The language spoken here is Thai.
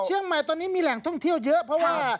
เชียงใหม่ตอนนี้มีแหล่งท่องเที่ยวเยอะเพราะว่า